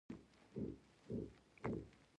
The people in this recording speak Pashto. برازیل دغه طلسم مات کړ.